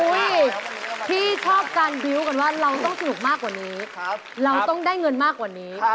พี่ชอบการบิวต์กันว่าเราต้องสนุกมากกว่านี้เราต้องได้เงินมากกว่านี้